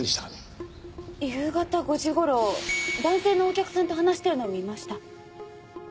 夕方５時頃男性のお客さんと話してるのは見ました。